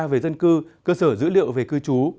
về dân cư cơ sở dữ liệu về cư trú